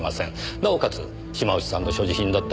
なおかつ島内さんの所持品だった